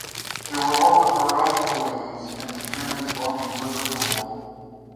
There were all the barrage balloons, and the Germans bombing Liverpool.